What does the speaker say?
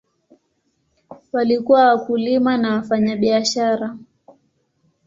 Walikuwa wakulima na wafanyabiashara.